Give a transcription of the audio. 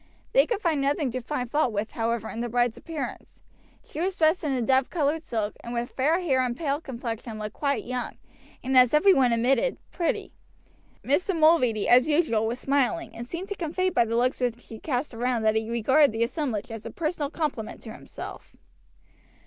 They could find nothing to find fault with, however, in the bride's appearance. She was dressed in a dove colored silk, and with her fair hair and pale complexion looked quite young, and, as every one admitted, pretty. Mr. Mulready, as usual, was smiling, and seemed to convey by the looks which he cast round that he regarded the assemblage as a personal compliment to himself.